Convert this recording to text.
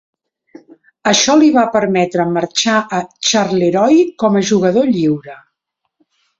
Això li va permetre marxar a Charleroi com a jugador lliure.